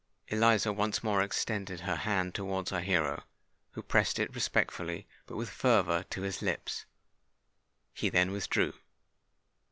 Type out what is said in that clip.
Eliza once more extended her hand towards our hero, who pressed it respectfully, but with fervour, to his lips. He then withdrew.